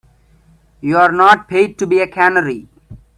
You're not paid to be a canary.